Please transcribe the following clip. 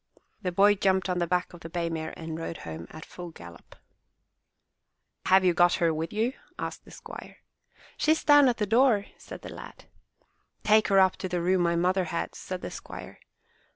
The boy jumped on the back of the bay mare and rode home at full gallop. 37 MY BOOK HOUSE "Have you got her with you?'' asked the squire. "She is down at the door," said the lad. "Take her up to the room my mother had/' said the squire.